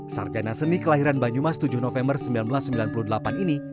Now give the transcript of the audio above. sarjana seni kelahiran banyumas tujuh november seribu sembilan ratus sembilan puluh delapan ini